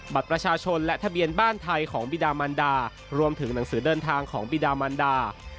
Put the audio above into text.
บัตรประชาชนและทะเบียนบ้านไทยของบิดามันดารวมถึงหนังสือเดินทางของบิดามันดา